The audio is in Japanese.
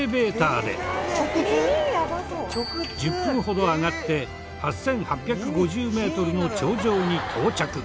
１０分ほど上がって８８５０メートルの頂上に到着。